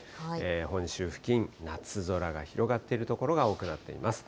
本州付近、夏空が広がっている所が多くなっています。